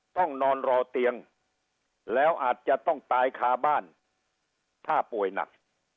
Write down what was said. ต้องนอนรอเตียงแล้วอาจจะต้องตายคาบ้านถ้าป่วยหนัก